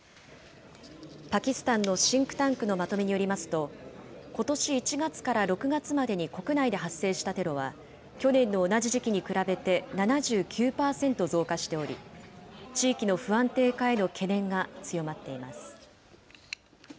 パキスタンのシンクタンクのまとめによりますと、ことし１月から６月までに国内で発生したテロは、去年の同じ時期に比べて７９％増加しており、地域の不安定化への懸念が強まっています。